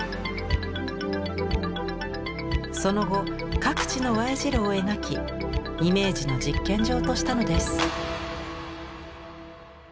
その後各地のＹ字路を描きイメージの実験場としたのです。